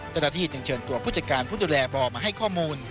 จราธิตยังเชิญตัวผู้จัดการผู้ดูแลบ่อมาให้ข้อมูล